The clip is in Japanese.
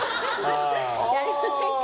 やりませんか？